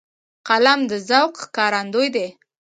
قلم د ذوق ښکارندوی دی